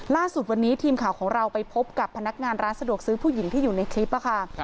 ล่าสุดวันนี้ทีมข่าวของเราไปพบกับพนักงานร้านสะดวกซื้อผู้หญิงที่อยู่ในคลิปค่ะ